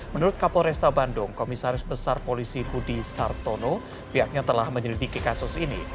menurut kapolresta bandung komisaris besar polisi budi sartono pihaknya telah menyelidiki kasus ini